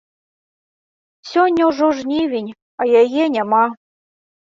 Сёння ўжо жнівень, а яе няма.